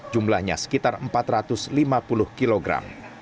jumlahnya sekitar empat ratus lima puluh kilogram